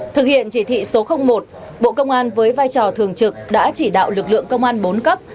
thực hiện chỉ thị số một bộ công an với vai trò thường trực đã chỉ đạo lực lượng công an bốn cấp